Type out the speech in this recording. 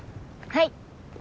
はい。